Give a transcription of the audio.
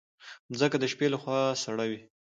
مځکه د شپې له خوا سړه وي.